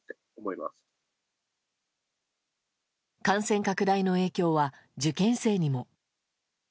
感染拡大の影響は受験生にも。